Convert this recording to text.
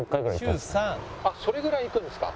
それぐらい行くんですか？